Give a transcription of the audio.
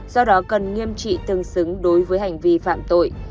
do đó cần nghiêm trị tương xứng đối với hành vi phạm tội